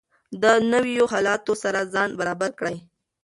د نویو حالاتو سره ځان برابر کړئ.